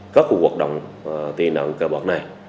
các cuộc hoạt động tệ nạn cờ bạc này